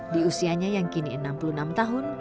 di usianya yang kini enam puluh enam tahun